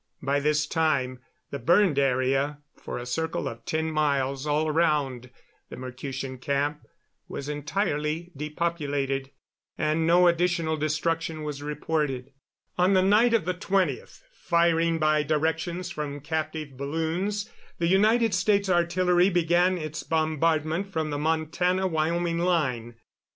By this time the burned area for a circle of ten miles all around the Mercutian camp was entirely depopulated, and no additional destruction was reported. On the night of the 20th, firing by directions from captive balloons, the United States artillery began its bombardment from the Montana Wyoming line.